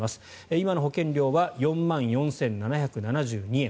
今の保険料は４万４７７２円。